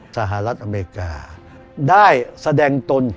สหรัฐอเมริกาได้แสดงตน